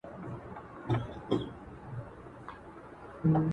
چي حساب د نادارۍ ورکړي ظالم ته!.